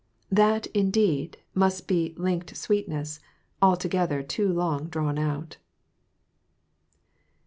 That, indeed, must be 'linked sweetness' altogether too long drawn out.